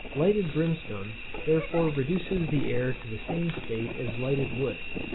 Lighted brimstone, therefore reduces the air to the same state as lighted wood.